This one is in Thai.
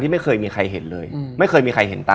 มีอีกไหม